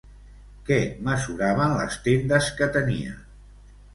Què mesuraven les tendes que tenia?